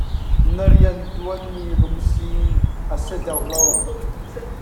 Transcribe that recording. Na rian ṭuanmi lungsi a si deuh lo.